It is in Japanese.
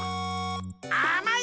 あまい！